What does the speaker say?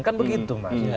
kan begitu mas